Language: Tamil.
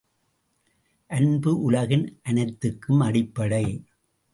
அன்பு உலகின் அனைத்துக்கும் அடிப்படை.